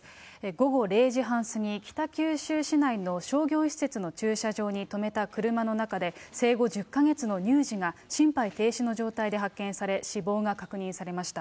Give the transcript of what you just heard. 午後０時半過ぎ、北九州市内の商業施設の駐車場に止めた車の中で、生後１０か月の乳児が心肺停止の状態で発見され、死亡が確認されました。